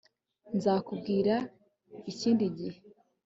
nzakubwira ikindi gihe